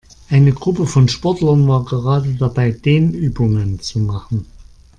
Eine Gruppe von Sportlern war gerade dabei, Dehnübungen zu machen.